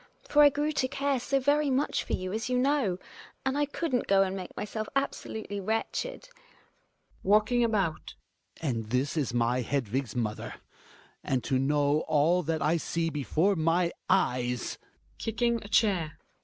For I grew to care so very much for you, as you know. And I couldn't go and make myself absolutely wretched Hjalmar {walking about). And this is my Hedvig's mother. And to know all that I see before my eyes (Kicking a chair.)